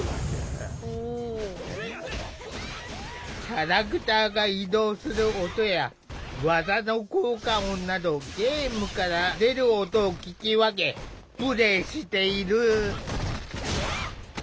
キャラクターが移動する音や技の効果音などゲームから出る音を聞き分けプレイしている。